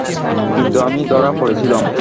কিন্তু আমি ধরা পড়েছিলাম।